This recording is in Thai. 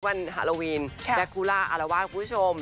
วันฮาโลวีนและคูล่าอารวาสคุณผู้ชม